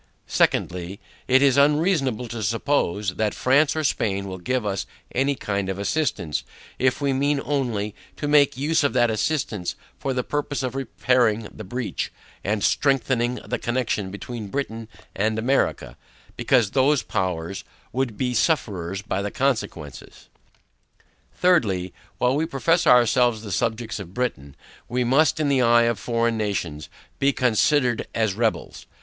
SECONDLY It is unreasonable to suppose, that France or Spain will give us any kind of assistance, if we mean only, to make use of that assistance for the purpose of repairing the breach, and strengthening the connection between Britain and America; because, those powers would be sufferers by the consequences. THIRDLY While we profess ourselves the subjects of Britain, we must, in the eye of foreign nations, be considered as rebels.